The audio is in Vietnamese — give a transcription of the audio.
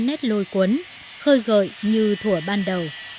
nét lôi cuốn khơi gợi như thủa ban đầu